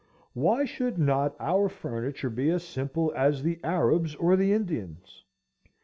Why should not our furniture be as simple as the Arab's or the Indian's?